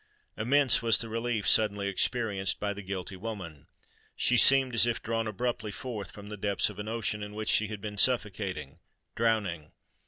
Immense was the relief suddenly experienced by the guilty woman! She seemed as if drawn abruptly forth from the depths of an ocean in which she had been suffocating—drowning.